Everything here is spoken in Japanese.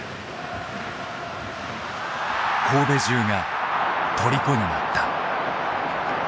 神戸中がとりこになった。